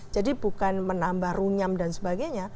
jadi bukan menambah runyam dan sebagainya